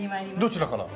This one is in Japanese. どちらから？